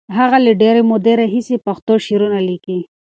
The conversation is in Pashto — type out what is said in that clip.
هغه له ډېرې مودې راهیسې پښتو شعرونه لیکي.